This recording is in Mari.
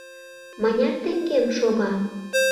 — Мыняр теҥгем шога?